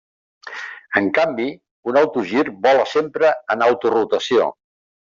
En canvi, un autogir vola sempre en autorotació.